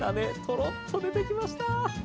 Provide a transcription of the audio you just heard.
トロッと出てきました。